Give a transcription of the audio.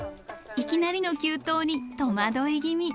いきなりの急登に戸惑い気味。